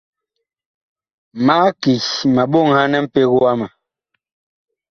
Mag ki ma ɓoŋhan mpeg wama.